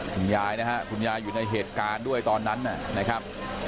คุณยายนะฮะคุณยายอยู่ในเหตุการณ์ด้วยตอนนั้นนะครับ